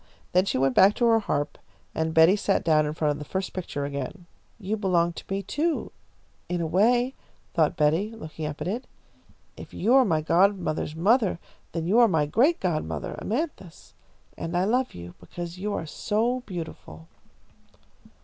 Then she went back to her harp, and Betty sat down in front of the first picture again. "You belong to me, too, in a way," thought Betty, looking up at it. "If you are my godmother's mother, then you are my great godmother, Amanthis, and I love you because you are so beautiful."